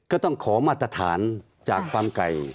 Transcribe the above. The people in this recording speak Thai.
ก็ต้องขอมาตรฐานจากฟาร์มไก่